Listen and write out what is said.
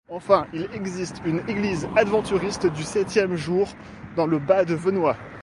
Enfin, il existe une église adventiste du septième jour dans le bas de Venoix.